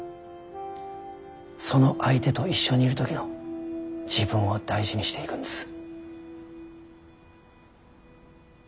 その相手と一緒にいる時の自分を大事にしていくんです。